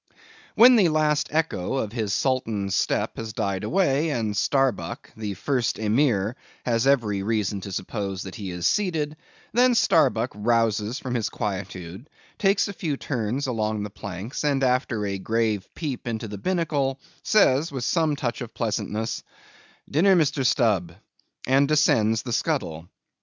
When the last echo of his sultan's step has died away, and Starbuck, the first Emir, has every reason to suppose that he is seated, then Starbuck rouses from his quietude, takes a few turns along the planks, and, after a grave peep into the binnacle, says, with some touch of pleasantness, "Dinner, Mr. Stubb," and descends the scuttle.